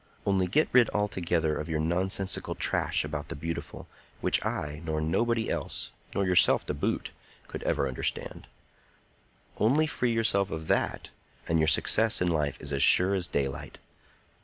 Only get rid altogether of your nonsensical trash about the beautiful, which I nor nobody else, nor yourself to boot, could ever understand,—only free yourself of that, and your success in life is as sure as daylight.